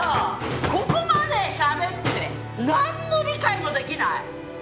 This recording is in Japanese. ここまでしゃべってなんの理解もできない！